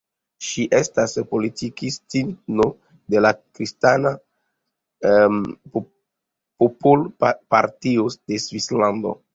Ŝi estas politikistino de la Kristana popol-partio de Svislando.